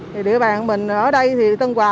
thì địa bàn mình ở đây thì tân hòa